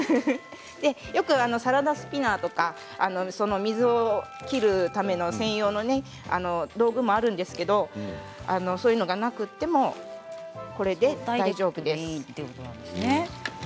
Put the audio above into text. よくサラダスピナーとか水を切るための専用の道具とかあるんですけれどもそういうのがなくてもこれで大丈夫です。